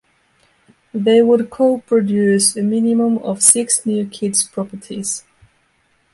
They would co-produced a minimum of six new kids properties.